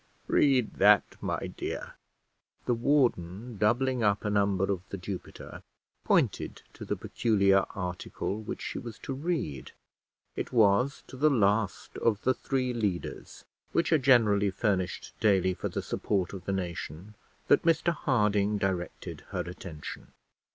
Read that, my dear." The warden, doubling up a number of The Jupiter, pointed to the peculiar article which she was to read. It was to the last of the three leaders, which are generally furnished daily for the support of the nation, that Mr Harding directed her attention.